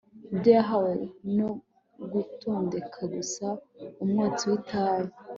Ibyo hamwe no gutondeka gusa umwotsi witabi